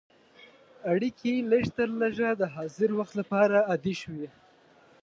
اړیکې لږترلږه د حاضر وخت لپاره عادي شوې.